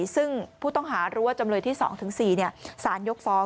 ซึ่งผู้ต้องหารู้ว่าจำเลยที่๒๔สารยกฟ้อง